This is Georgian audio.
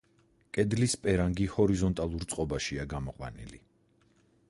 კედლის პერანგი ჰორიზონტალურ წყობაშია გამოყვანილი.